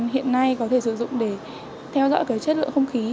hiện nay có thể sử dụng để theo dõi chất lượng không khí